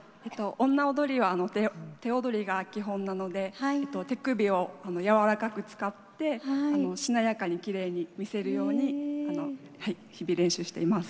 女踊りは手踊りが基本なので手首を柔らかく使ってしなやかにきれいに見せるようにあのはい日々練習しています。